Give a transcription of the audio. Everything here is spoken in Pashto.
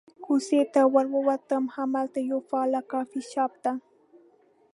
کوڅې ته ور ووتم، همالته یوه فعال کافي شاپ ته.